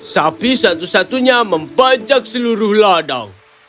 sapi satu satunya membajak seluruh ladang